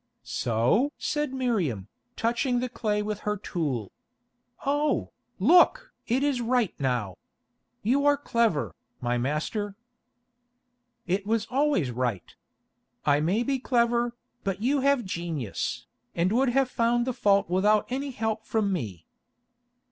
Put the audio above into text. "So?" said Miriam, touching the clay with her tool. "Oh, look! it is right now. You are clever, my master." "It was always right. I may be clever, but you have genius, and would have found the fault without any help from me."